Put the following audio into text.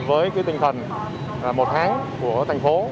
với tinh thần một tháng của thành phố